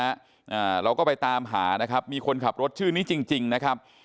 อ่าเราก็ไปตามหานะครับมีคนขับรถชื่อนี้จริงจริงนะครับ